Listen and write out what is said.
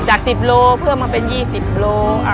จาก๑๐โลเพื่อมาเป็น๒๐โล